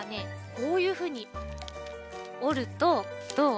こういうふうにおるとどう？